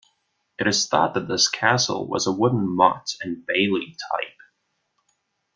It is thought that this castle was a wooden motte and bailey type.